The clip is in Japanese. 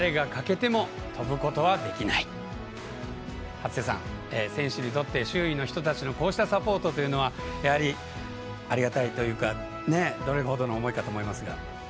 初瀬さん、選手にとって周囲の人たちのサポートというのはやはり、ありがたいというかどれほどの思いかと思いますが。